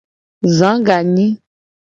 Za ganyi.